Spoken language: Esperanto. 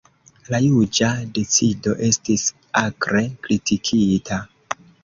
La juĝa decido estis akre kritikita.